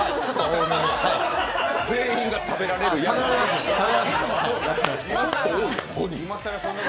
全員が食べられるやん！